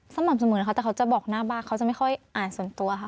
สม่ำเสมอค่ะแต่เขาจะบอกหน้าบ้านเขาจะไม่ค่อยอ่านส่วนตัวค่ะ